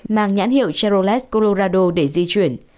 mang nhãn hiệu cherolette colorado để di chuyển